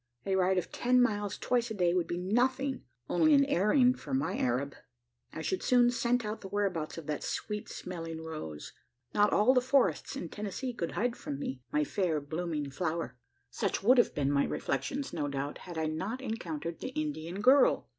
A ride of ten miles twice a day would be nothing only an airing for my Arab. I should soon scent out the whereabouts of that sweet smelling rose. Not all the forests in Tennessee could hide from me my fair blooming flower. Such would have been my reflections, no doubt, had I not encountered the Indian girl.